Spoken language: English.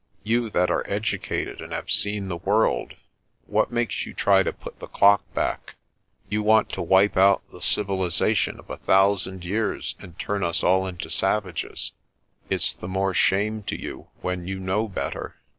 You that are educated and have seen the world, what makes you try to put the clock back? You want to wipe out the civilisation of a thousand years and turn us all into savages. It's the more shame to you when you know better."